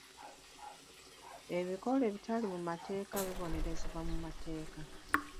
Ebikolwa ebitali mu mateeka bibonerezebwa mu mateeka.